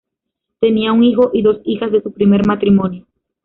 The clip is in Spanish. Tenía un hijo y dos hijas de su primer matrimonio.